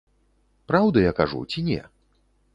Праўду я кажу ці не?